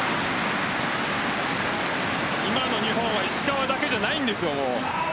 今の日本は石川だけじゃないんですよ、もう。